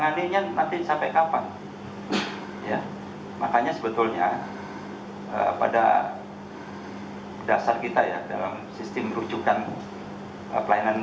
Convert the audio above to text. jadi disebutkan bahwa rujukan itu sebetulnya harus dikasih tahu dulu pasiennya